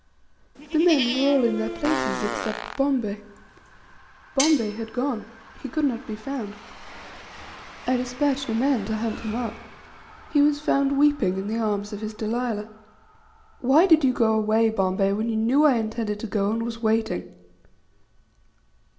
The men were all in their places except Bombay. Bombay had gone; he could not be found. I despatched a man to hunt him up. He was found weeping in the arms of his Delilah. "Why did you go away, Bombay, when you knew I intended to go, and was waiting?"